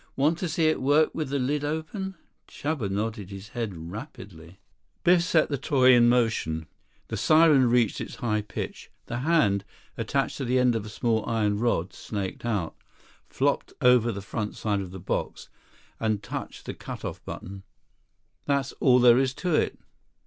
"Want to see it work with the lid open?" Chuba nodded his head rapidly. 53 Biff set the toy in motion. The siren reached its high pitch. The hand, attached to the end of a small iron rod, snaked out, flopped over the front side of the box, and touched the cut off button. "That's all there is to it.